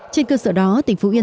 trên cơ sở đó tỉnh phú yên